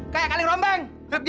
kayak kaleng rombeng